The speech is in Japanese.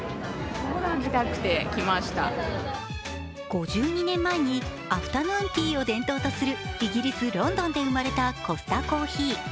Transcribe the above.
５２年前にアフタヌーンティーを伝統とするイギリス・ロンドンで生まれたコスタコーヒー。